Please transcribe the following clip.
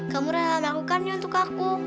kamu udah lelah melakukannya untuk aku